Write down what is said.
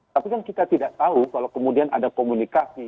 tapi kan kita tidak tahu kalau kemudian ada komunikasi